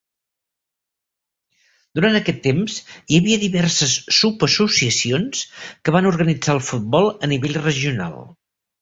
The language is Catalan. Durant aquest temps hi havia diverses subassociacions que van organitzar el futbol a nivell regional.